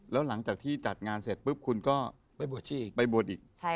แล้วหลังจากที่จัดงานเสร็จปุ๊บคุณก็ไปบวชอีก